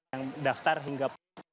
yang daftar hingga